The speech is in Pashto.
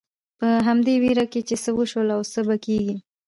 په همدې وېره کې چې څه وشول او څه به کېږي.